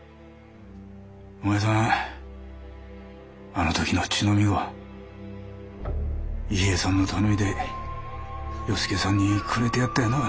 お前さんあの時の乳飲み子伊兵衛さんの頼みで与助さんにくれてやったよな。